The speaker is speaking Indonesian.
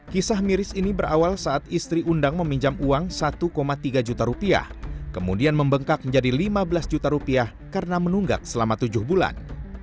kisah miris ini berawal saat istri undang meminjam uang satu tiga juta rupiah kemudian membengkak menjadi lima belas juta rupiah karena menunggak selama tujuh bulan